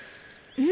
うん。